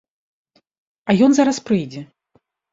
А ён зараз прыйдзе.